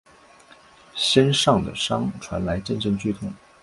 身上的伤传来阵阵剧痛